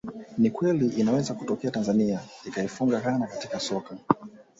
Ni kweli inaweza kutokea Tanzania ikaifunga Ghana katika soka